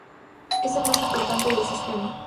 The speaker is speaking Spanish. Es el más importante del sistema.